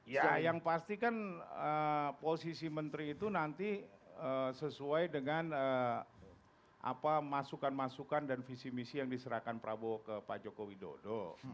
ya yang pasti kan posisi menteri itu nanti sesuai dengan masukan masukan dan visi misi yang diserahkan prabowo ke pak joko widodo